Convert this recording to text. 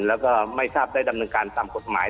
แล้วก็ไม่ทราบได้ดำเนินการตามกฎหมาย